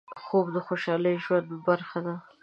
خوب د خوشحال ژوند برخه ده